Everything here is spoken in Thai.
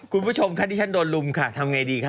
คุณผู้ชมค่ะที่ฉันโดนลุมค่ะทำไงดีคะ